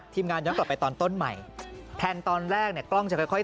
ย้อนกลับไปตอนต้นใหม่แพลนตอนแรกเนี่ยกล้องจะค่อย